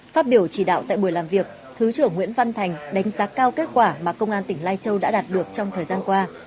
phát biểu chỉ đạo tại buổi làm việc thứ trưởng nguyễn văn thành đánh giá cao kết quả mà công an tỉnh lai châu đã đạt được trong thời gian qua